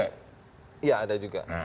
iya ada juga